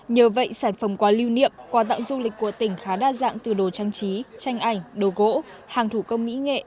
nhờ vậy sản phẩm quà lưu niệm quà tặng du lịch của tỉnh khá đa dạng từ đồ trang trí tranh ảnh đồ gỗ hàng thủ công mỹ nghệ